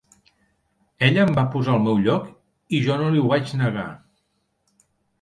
Ella em va posar al meu lloc i jo no li ho vaig negar.